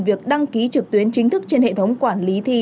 việc đăng ký trực tuyến chính thức trên hệ thống quản lý thi